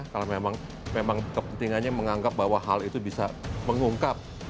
kalau memang kepentingannya menganggap bahwa hal itu bisa mengungkap